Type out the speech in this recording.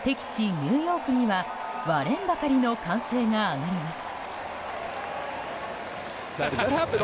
ニューヨークには割れんばかりの歓声が上がります。